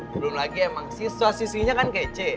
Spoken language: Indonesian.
belum lagi emang siswa siswinya kan kece